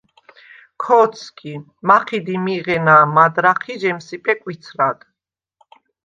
ქო̄თსგი, მაჴიდ იმი̄ღენა̄მ მადრაჴ ი ჟემსიპე კვიცრად.